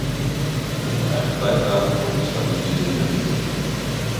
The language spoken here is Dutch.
Zonder eigen bijdrage komt die stabilisering er niet.